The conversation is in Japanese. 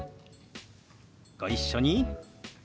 ご一緒に。